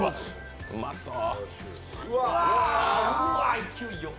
うまそう。